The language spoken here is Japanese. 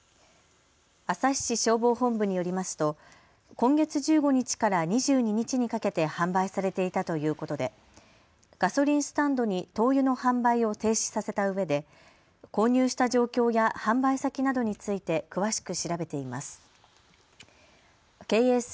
旭市消防本部によりますと今月１５日から２２日にかけて販売されていたということでガソリンスタンドに灯油の販売を停止させたうえで購入した状況や販売先などについて詳しく調べています。